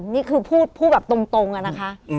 นี่คือพูดแบบตรงอะนะคะ